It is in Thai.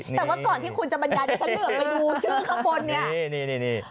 แต่ว่าก่อนที่คุณจะบรรยายดิฉันเหลือไปดูชื่อข้างบนเนี่ย